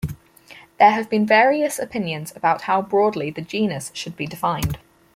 There have been various opinions about how broadly the genus should be defined.